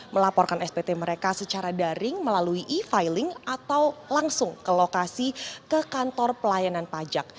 melaporkan spt mereka secara daring melalui e filing atau langsung ke lokasi ke kantor pelayanan pajak